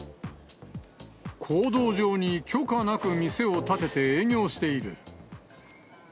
公道上に許可なく店を建てて営業している。